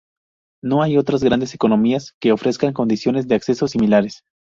No hay otras grandes economías que ofrezcan condiciones de acceso similares.